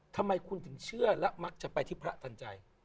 ทำไมคุณถึงเชื่อและมักจะไปที่พระทันใจ